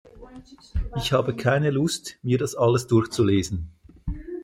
Ich habe keine Lust, mir das alles durchzulesen.